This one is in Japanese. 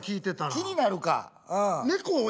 気になるかうん。